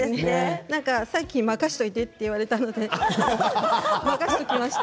さっき任せておいてと言われたので任せておきました。